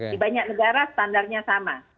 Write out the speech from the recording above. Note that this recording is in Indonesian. di banyak negara standarnya sama